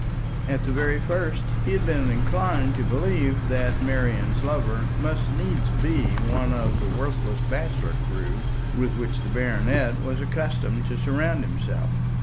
At the very first he had been inclined to believe that Marian's lover must needs be one of the worthless bachelor crew with which the baronet was accustomed to surround himself.